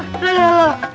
aduh aduh aduh